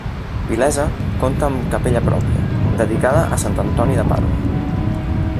Vilesa compta amb capella pròpia, dedicada a sant Antoni de Pàdua.